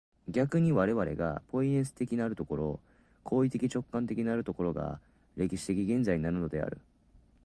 逆に我々がポイエシス的なる所、行為的直観的なる所が、歴史的現在であるのである。